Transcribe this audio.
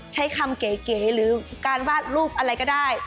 ใช้คำเก๋หรือการวาดรูปอะไรก็ได้